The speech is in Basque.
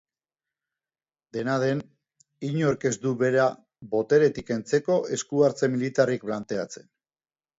Dena den, inork ez du bera boteretik kentzeko esku-hartze militarrik planteatzen.